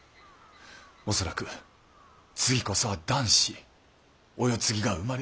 恐らく次こそは男子お世継ぎが生まれるよう。